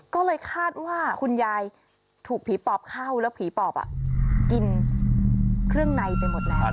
ก็เลยคาดว่าคุณยายถูกผีปอบเข้าแล้วผีปอบกินเครื่องในไปหมดแล้ว